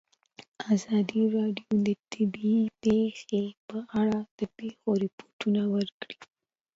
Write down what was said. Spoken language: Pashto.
ازادي راډیو د طبیعي پېښې په اړه د پېښو رپوټونه ورکړي.